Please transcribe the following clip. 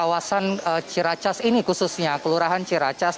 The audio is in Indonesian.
kawasan ciracas ini khususnya kelurahan ciracas